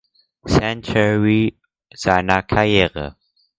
Century seiner Karriere.